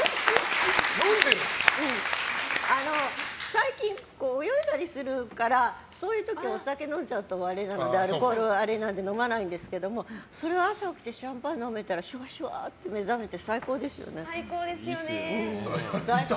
最近、泳いだりするからそういう時、お酒飲んじゃうとアルコールはあれなんで飲まないですけど、朝起きてシャンパンを飲んでたらシュワシュワって目覚めて最高ですよね。